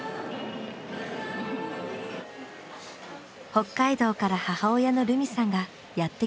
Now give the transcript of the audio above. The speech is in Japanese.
北海道から母親のルミさんがやって来たのだ。